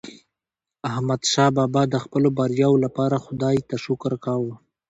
احمدشاه بابا د خپلو بریاوو لپاره خداي ته شکر کاوه.